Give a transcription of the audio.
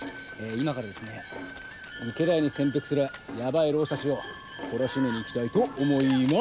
今からですね池田屋に潜伏するやばい浪士たちを懲らしめに行きたいと思います。